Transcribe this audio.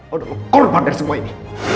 udah mengorbankan semua ini